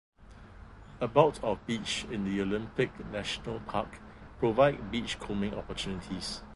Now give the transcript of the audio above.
About of beach in the Olympic National Park provide beachcombing opportunities.